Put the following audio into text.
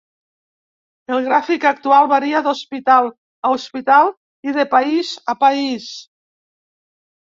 El gràfic actual varia d'hospital a hospital i de país a país.